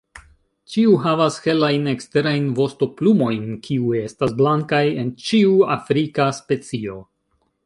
Ĉiu havas helajn eksterajn vostoplumojn, kiuj estas blankaj en ĉiu afrika specio.